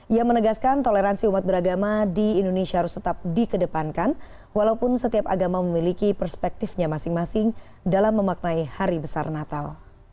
ia menegaskan toleransi umat beragama di indonesia harus tetap dikedepankan walaupun setiap agama memiliki perspektifnya masing masing dalam memaknai hari besar natal